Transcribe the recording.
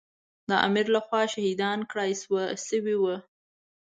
د امیر له خوا شهیدان کړای شوي وو.